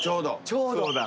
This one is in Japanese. ちょうど。